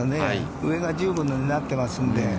上が１５になってますんで。